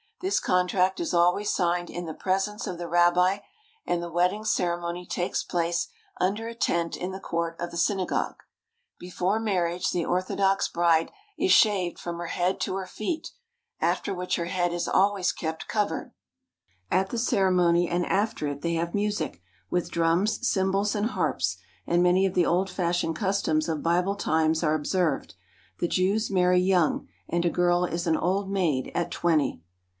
This contract is always signed in the presence of the rabbi, and the wedding ceremony takes place under a tent in the court of the synagogue. Be fore marriage the orthodox bride is shaved from her head to her feet, after which her head is always kept covered. At the ceremony and after it they have music, with drums, cymbals, and harps; and many of the old fashioned customs of Bible times are observed. The Jews marry young, and a girl is an old maid at twenty.